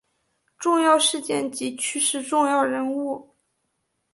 重要事件及趋势重要人物